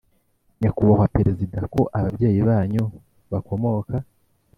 nyakubahwa perezida, ko ababyeyi banyu bakomoka